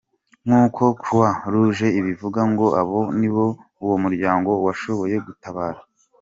Nk’uko Croix rouge ibivuga ngo abo nibo uwo muryango washoboye gutabara.